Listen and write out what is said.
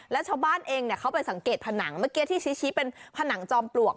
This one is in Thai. แล้วชาวบ้านเองเขาไปสังเกตผนังเมื่อกี้ที่ชี้เป็นผนังจอมปลวก